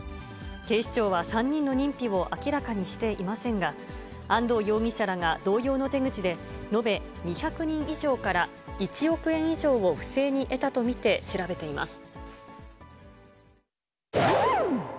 警視庁は３人の認否を明らかにしていませんが、安藤容疑者らが同様の手口で、延べ２００人以上から１億円以上を不正に得たと見て調べています。